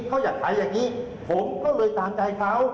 เขาอยากขายอย่างนี้ผมก็เลยตามใจเขา